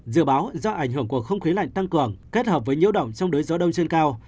dự báo do ảnh hưởng của không khí lạnh tăng cường kết hợp với nhiễu động trong đới gió đông trên cao